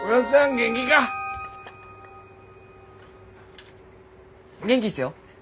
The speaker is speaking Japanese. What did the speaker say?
元気っすよ。